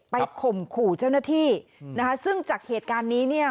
ข่มขู่เจ้าหน้าที่นะคะซึ่งจากเหตุการณ์นี้เนี่ย